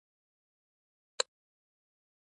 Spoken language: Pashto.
مورګان وویل که هغه دې خرڅلاو ته وهڅاوه